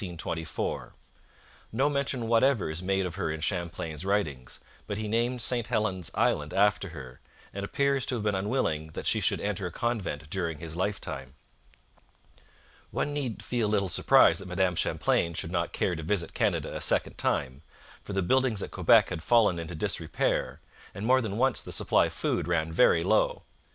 No mention whatever is made of her in Champlain's writings, but he named St Helen's Island after her, and appears to have been unwilling that she should enter a convent during his lifetime. One need feel little surprise that Madame Champlain should not care to visit Canada a second time, for the buildings at Quebec had fallen into disrepair, and more than once the supply of food ran very low.